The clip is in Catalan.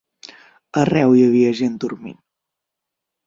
Arreu hi havia gent dormint